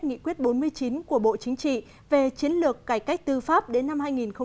nghị quyết bốn mươi chín của bộ chính trị về chiến lược cải cách tư pháp đến năm hai nghìn hai mươi